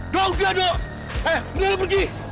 doh udah doh eh lu pergi